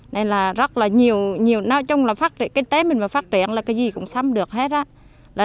nên là rất là nhiều nếu chung là kinh tế mình mà phát triển là cái gì cũng sắm được hết á